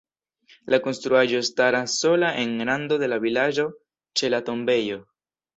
La konstruaĵo staras sola en rando de la vilaĝo ĉe la tombejo.